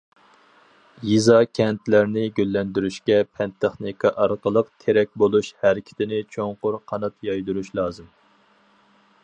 يېزا- كەنتلەرنى گۈللەندۈرۈشكە پەن- تېخنىكا ئارقىلىق تىرەك بولۇش ھەرىكىتىنى چوڭقۇر قانات يايدۇرۇش لازىم.